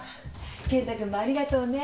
健太君もありがとうね。